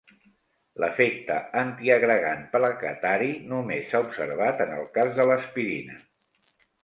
L'efecte antiagregant plaquetari només s'ha observat en el cas de l'aspirina.